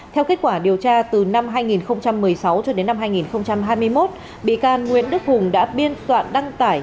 theo kết quả điều tra từ năm hai nghìn một mươi sáu cho đến năm hai nghìn hai mươi một bị can nguyễn đức hùng đã biên soạn đăng tải